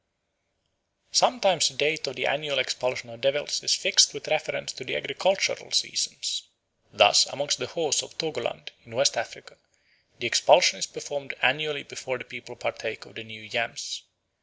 Sometimes the date of the annual expulsion of devils is fixed with reference to the agricultural seasons. Thus among the Hos of Togoland, in West Africa, the expulsion is performed annually before the people partake of the new yams.